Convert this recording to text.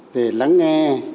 để lắng nghe